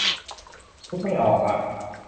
นึกไม่ออกอ่ะ